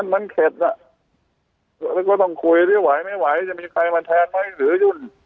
มันเข็ดก็ต้องคุยถามไม่ไหวจะมีใครมาแทนหรือยุ่น